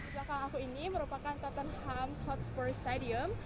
jakarta ini merupakan tottenham hotspur stadium